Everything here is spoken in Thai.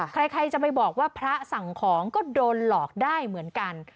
ใครจะไปบอกว่าพระสั่งของก็โดนหลอกได้เหมือนกัน